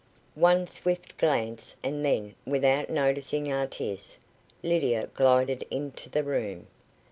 One swift glance, and then, without noticing Artis, Lydia glided into the room.